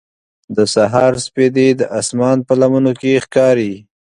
د سهار سپېدې د اسمان په لمنو کې ښکاري.